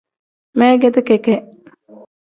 Meegeti keke.